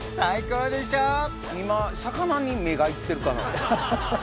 今魚に目がいってるかな